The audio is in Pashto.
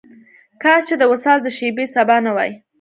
کاش چې د وصال د شپې سبا نه وای.